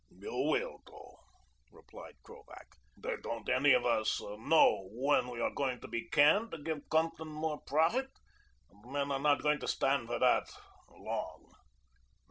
"You will, though," replied Krovac. "They don't any of us know when we are going to be canned to give Compton more profit, and men are not going to stand for that long."